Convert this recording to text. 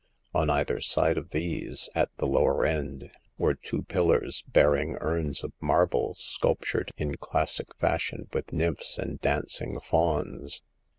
On either side of these, at the lower end, were two pillars, bearing urns of marble sculptured in classic fashion with nymphs and dancing fauns.